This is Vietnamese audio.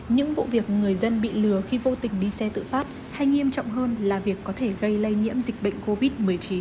những vụ việc người dân bị lừa khi vô tình đi xe tự phát hay nghiêm trọng hơn là việc có thể gây lây nhiễm dịch bệnh covid một mươi chín